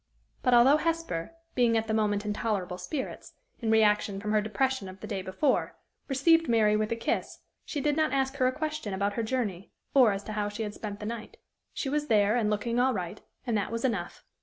But, although Hesper, being at the moment in tolerable spirits, in reaction from her depression of the day before, received Mary with a kiss, she did not ask her a question about her journey, or as to how she had spent the night. She was there, and looking all right, and that was enough.